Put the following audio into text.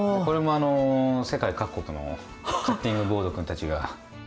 これもあの世界各国のカッティングボードくんたちが。